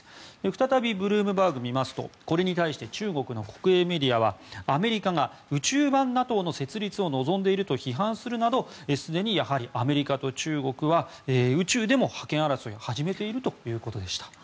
再びブルームバーグを見ますとこれに対して中国の国営メディアはアメリカが宇宙版ＮＡＴＯの設立を望んでいると批判するなどすでにアメリカと中国は宇宙でも覇権争いを始めているということでした。